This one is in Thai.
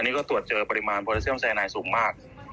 นี่ก็ตรวจเจอปริมาณโปรดิเซียมไซนายสูงมาก